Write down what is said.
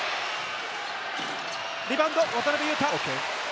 リバウンド、渡邊雄太。